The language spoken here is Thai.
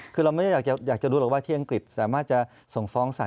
คือเราไม่ได้อยากจะรู้หรอกว่าที่อังกฤษสามารถจะส่งฟ้องสาร